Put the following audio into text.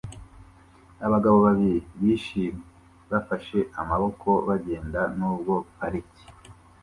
Abagabo babiri bishimye bafashe amaboko bagenda nubwo parike